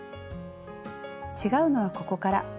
違うのはここから。